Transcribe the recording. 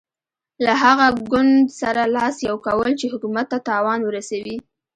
له هغه ګوند سره لاس یو کول چې حکومت ته تاوان ورسوي.